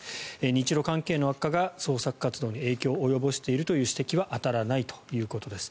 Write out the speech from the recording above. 日ロ関係の悪化が捜索活動に影響を及ぼしているという指摘は当たらないということです。